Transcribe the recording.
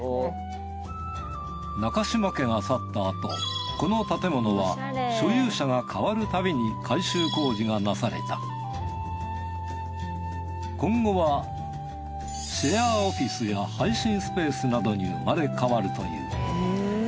中島家が去ったあとこの建物は所有者が変わるたびに改修工事がなされた今後はシェアオフィスや配信スペースなどに生まれ変わるという。